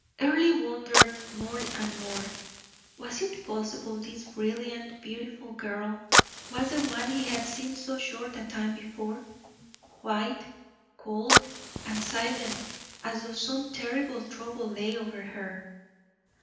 Earle wondered more and more. Was it possible this brilliant, beautiful girl was the one he had seen so short a time before, white, cold, and silent, as though some terrible trouble lay over her.